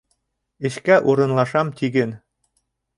Эшкә урынлашам, тиген.